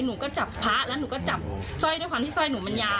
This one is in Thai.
หนูก็จับพระแล้วหนูก็จับสร้อยด้วยความที่สร้อยหนูมันยาว